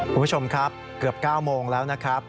คุณผู้ชมครับเกือบ๙โมงแล้วนะครับ